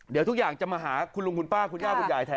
เดี๋ยวทุกอย่างจะมาหาคุณลุงคุณป้าคุณย่าคุณยายแทน